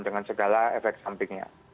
dengan segala efek sampingnya